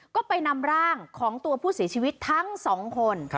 ก็ไปนำร่างของตัวผู้เสียชีวิตทั้งสองคน